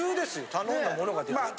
頼んだものが出てくる。